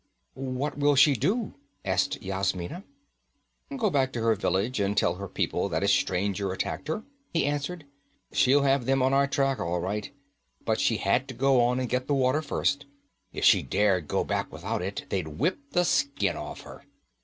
'What will she do?' asked Yasmina. 'Go back to her village and tell her people that a stranger attacked her,' he answered. 'She'll have them on our track, all right. But she had to go on and get the water first; if she dared go back without it, they'd whip the skin off her.